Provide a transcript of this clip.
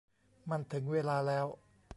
มันถึงเวลาแล้ว